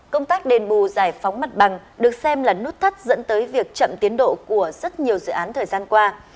công tác đền bù giải phóng mặt bằng được xem là nút thắt dẫn tới việc chậm tiến độ của rất nhiều dự án thời gian qua